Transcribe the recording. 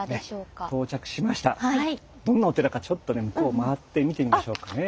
どんなお寺かちょっとね向こう回って見てみましょうかね。